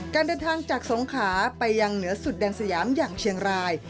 การเดินทางจากสงขาไปยังเหนือสุดแดนสยามอย่างเชียงราย